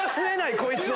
こいつは。